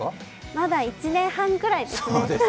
まだ１年半ぐらいですね。